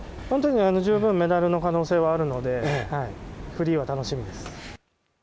本当に十分メダルの可能性はあるので、フリーは楽しみです。